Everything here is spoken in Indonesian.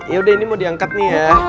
yaudah ini mau diangkat nih ya